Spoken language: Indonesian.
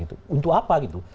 untuk apa gitu